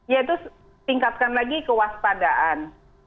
yaitu tingkatkan lagi kewaspadaan